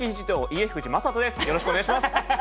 よろしくお願いします。